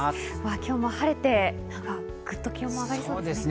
今日も晴れてグッと気温も上がりそうですね。